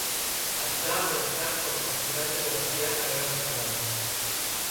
Està amenaçat pel pasturatge de bestiar a gran escala.